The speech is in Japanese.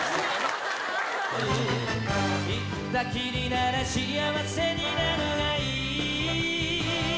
「行ったきりならしあわせになるがいい」